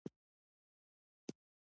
مالدارۍ هلته ډېره پراختیا موندلې ده.